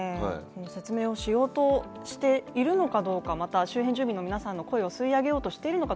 説明をしようとしているのかどうか、また周辺住民の皆さんの声を吸い上げようとしているのか